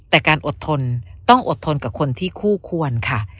แต่การอดทนต้องอดทนกับคนที่คู่ควรค่ะ